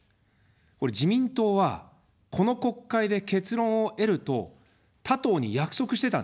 これ、自民党はこの国会で結論を得ると他党に約束してたんですね。